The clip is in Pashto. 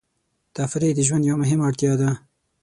تفریح د ژوند یوه مهمه اړتیا ده.